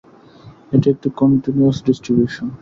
এটি একটি continuous distribution.